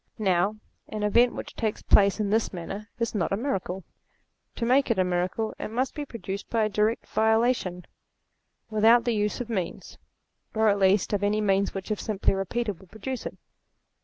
Now, an event which takes place in this manner, is not a miracle. To make it a miracle it must be pro duced by a direct volition, without the use of means ; or at least, of any means which if simply repeated would produce it.